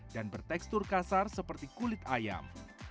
dan bertekstur kasar seperti kulit ayam